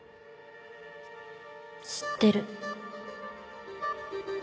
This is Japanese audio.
知ってる。